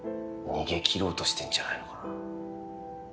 逃げきろうとしてんじゃないのかな